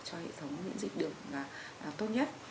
cho hệ thống diễn dịch được tốt nhất